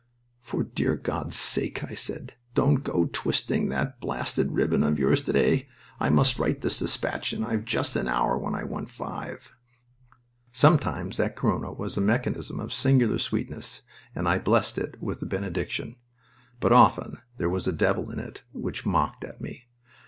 "For dear God's sake," I said, "don't go twisting that blasted ribbon of yours to day. I must write this despatch, and I've just an hour when I want five." Sometimes that Corona was a mechanism of singular sweetness, and I blessed it with a benediction. But often there was a devil in it which mocked at me.